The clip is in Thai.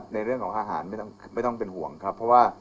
ในเรื่องของอาหารไม่ต้องเป็นห่วงครับ